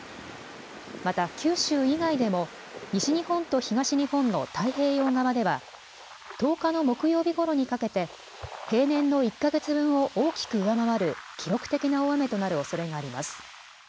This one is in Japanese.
また九州以外でも西日本と東日本の太平洋側では、１０日の木曜日ごろにかけて平年の１か月分を大きく上回る、記録的な大雨となるおそれがあります。